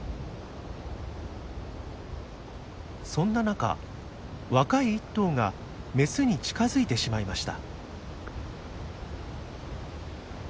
そんな中若い１頭がメスに近づいてしまいました。